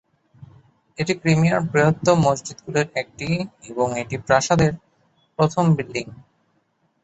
এটি ক্রিমিয়ার বৃহত্তম মসজিদগুলির একটি এবং এটি প্রাসাদের প্রথম বিল্ডিং।